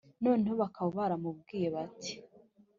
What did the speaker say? Noneho bakaba baramubwiye bati”